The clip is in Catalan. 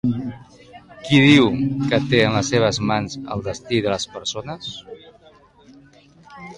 Qui diu que té en les seves mans el destí de les persones?